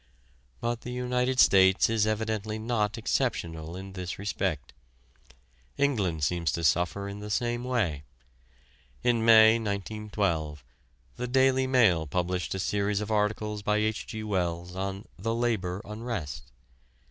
But the United States is evidently not exceptional in this respect. England seems to suffer in the same way. In May, 1912, the "Daily Mail" published a series of articles by H. G. Wells on "The Labour Unrest."